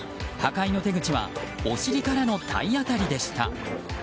破壊の手口はお尻からの体当たりでした。